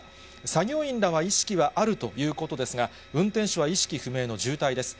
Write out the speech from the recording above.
作業員らは意識はあるということですが、運転手は意識不明の重体です。